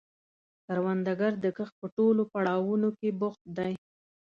کروندګر د کښت په ټولو پړاوونو کې بوخت دی